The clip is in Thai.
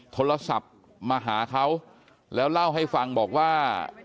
โทรศัพท์มาหาเขาแล้วเล่าให้ฟังบอกว่า